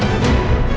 nih ga ada apa apa